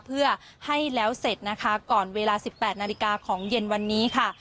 เพื่อให้แล้วเสร็จนะคะก่อนเวลา๑๘นาฬิกาของเย็นวันนี้ค่ะ